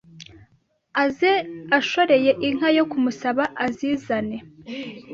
aze ashoreye inka yo kumusaba azizane